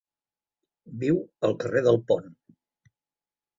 Viu al carrer del Pont.